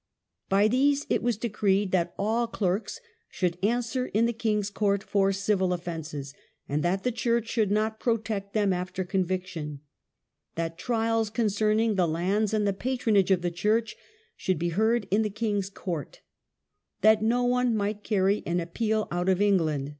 By these it was decreed that all clerks should answer in the king's court for civil offences, and that the church The Consti should not protect them after conviction; SiSlfdSn, that trials concerning the lands and the 1164. * patronage of the church should be heard in the king's court; that no one might carry an appeal out of England